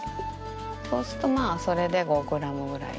ちょっとまあそれで５グラムぐらい。